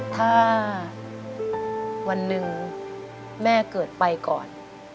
ถ้าวันหนึ่งแม่เกิดไปก่อน